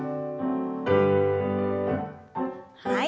はい。